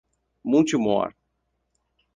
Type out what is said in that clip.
Monte Mor